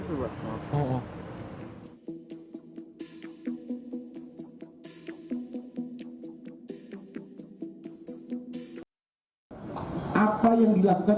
apa yang dilakukan oleh pak ambarita